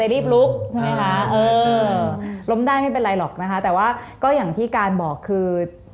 รีบลุกใช่ไหมคะเออล้มได้ไม่เป็นไรหรอกนะคะแต่ว่าก็อย่างที่การบอกคือ